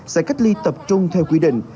sẽ cách ly tập trung theo quy định